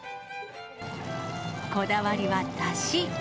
こだわりはだし。